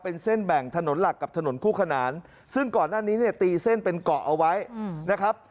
เป็นเส้นแบ่งถนนหลักกับถนนคู่ขนานซึ่งก่อนหน้านี้เนี่ยตีเส้นเป็นเกาะเอาไว้นะครับ